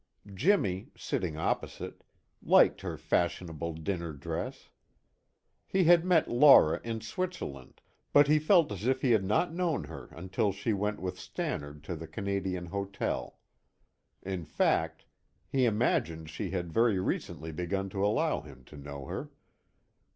Jimmy, sitting opposite, liked her fashionable dinner dress. He had met Laura in Switzerland, but he felt as if he had not known her until she went with Stannard to the Canadian hotel. In fact, he imagined she had very recently begun to allow him to know her.